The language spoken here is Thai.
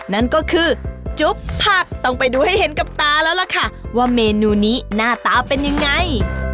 นั่นก็คือจุ๊บผักต้องไปดูให้เห็นกับตาแล้วล่ะค่ะว่าเมนูนี้หน้าตาเป็นยังไง